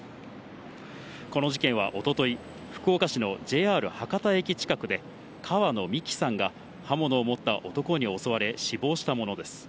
この事件は、おととい、福岡市のＪＲ博多駅近くで、川野美樹さんが刃物を持った男に襲われ、死亡したものです。